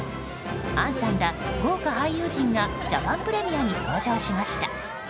杏さんら豪華俳優陣がジャパンプレミアに登場しました。